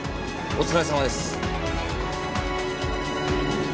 お疲れさまです。